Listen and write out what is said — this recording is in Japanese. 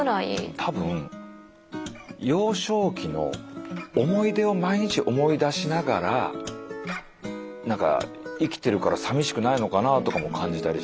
多分幼少期の思い出を毎日思い出しながら何か生きてるからさみしくないのかなとかも感じたりした。